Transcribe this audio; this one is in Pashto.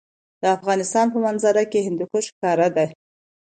د افغانستان په منظره کې هندوکش ښکاره ده.